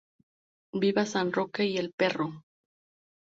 Viva San Roque y el Perro!!